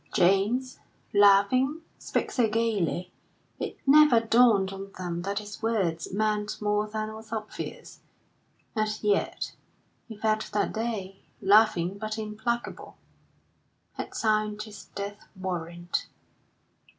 James, laughing, spoke so gaily, it never dawned on them that his words meant more than was obvious; and yet he felt that they, loving but implacable, had signed his death warrant.